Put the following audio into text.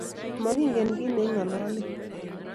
Mokingen kiit neing'ololen